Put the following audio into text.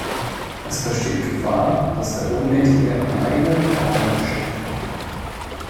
Es besteht Gefahr, dass der Ohnmächtige am eigenen Erbrochenen erstickt.